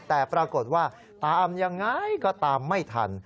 แต่ปรากฏว่าตามยังไงก็ตามไม่ทัน